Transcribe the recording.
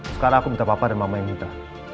sekarang aku minta papa dan mama yang minta